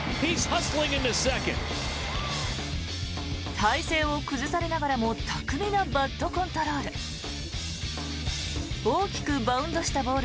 体勢を崩されながらも巧みなバットコントロール。